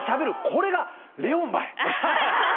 これがレオンばい！」